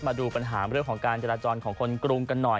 มาดูปัญหาเรื่องของการจราจรของคนกรุงกันหน่อย